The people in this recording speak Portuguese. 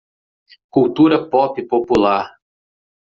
Cultura pop popular